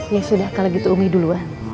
ya sudah kalau gitu umi duluan